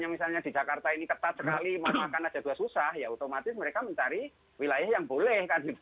misalnya di jakarta ini ketat sekali makan saja sudah susah ya otomatis mereka mencari wilayah yang boleh kan